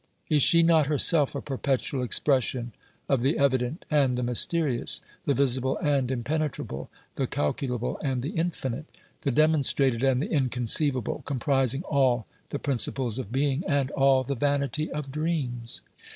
Is she not herself a perpetual expression of the evident and the mysterious, the visible and impenetrable, the calculable and the infinite, the demonstrated and the inconceivable, comprising all the principles of being and all the vanity of dreams